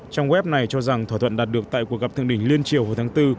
trong web này cho rằng thỏa thuận đạt được tại cuộc gặp thượng đỉnh liên triều hồi tháng bốn